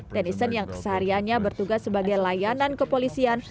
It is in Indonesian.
tennison yang sehariannya bertugas sebagai layanan kepolisian